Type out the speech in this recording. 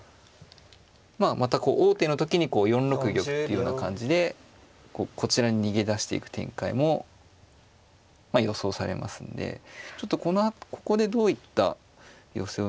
まあまたこう王手の時に４六玉っていうような感じでこちらに逃げ出していく展開もまあ予想されますんでちょっとここでどういった寄せを目指していくか。